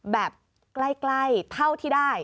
แบบใกล้เท่าที่ได้